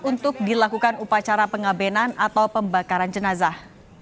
untuk dilakukan upacara pengabenan atau pembakaran jenazah